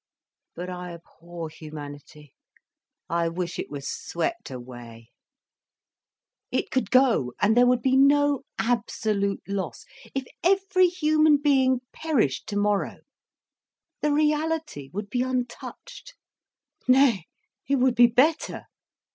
But I abhor humanity, I wish it was swept away. It could go, and there would be no absolute loss, if every human being perished tomorrow. The reality would be untouched. Nay, it would be better.